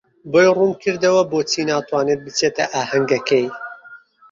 بۆی ڕوون کردەوە بۆچی ناتوانێت بچێتە ئاهەنگەکەی.